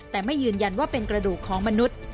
แต่ไม่ยืนยันว่าเป็นกระดูกของมนุษย์